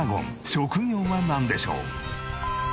職業はなんでしょう？